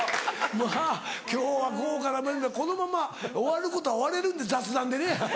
まぁ今日は豪華なメンバーでこのまま終わることは終われるんで雑談でね。